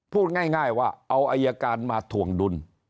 พูดง่ายว่าเอาอายการมาถ่วงดุล